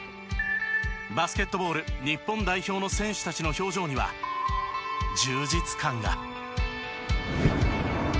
バスケットボール日本代表の選手たちの表情には充実感が。